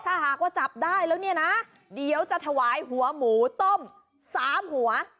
ถ้าหากว่าจับได้แล้วเนี่ยนะเดี๋ยวจะถวายหัวหมูต้ม๓หัว